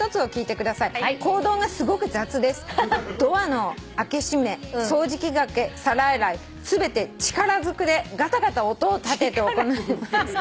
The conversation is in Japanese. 「ドアの開け閉め掃除機がけ皿洗い全て力ずくでガタガタ音を立てて行います」